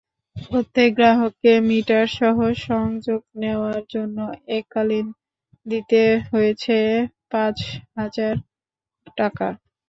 প্রত্যেক গ্রাহককে মিটারসহ সংযোগ নেওয়ার জন্য এককালীন দিতে হয়েছে পাঁচ হাজার টাকা।